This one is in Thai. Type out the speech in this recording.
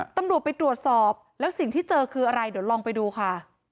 ตำรวจไปตรวจสอบแล้วสิ่งที่เจอคืออะไรเดี๋ยวลองไปดูค่ะ